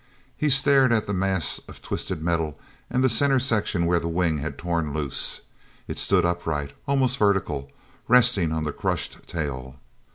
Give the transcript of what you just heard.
He stared at the mass of twisted metal and the center section where the wing had torn loose; it stood upright, almost vertical, resting on the crushed tail.